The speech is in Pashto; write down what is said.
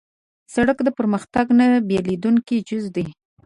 سړک د پرمختګ نه بېلېدونکی جز دی.